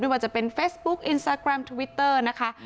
ว่าจะเป็นเฟซบุ๊คอินสตาแกรมทวิตเตอร์นะคะ